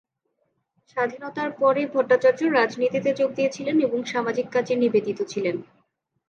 স্বাধীনতার পরে ভট্টাচার্য রাজনীতিতে যোগ দিয়েছিলেন এবং সামাজিক কাজে নিবেদিত ছিলেন।